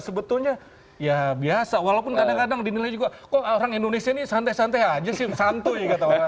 sebetulnya ya biasa walaupun kadang kadang dinilai juga kok orang indonesia ini santai santai aja sih santuy